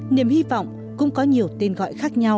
niềm hy vọng cũng có nhiều tên gọi